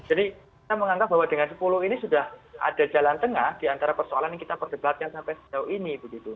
jadi kita menganggap bahwa dengan sepuluh ini sudah ada jalan tengah diantara persoalan yang kita perdebatkan sampai sejauh ini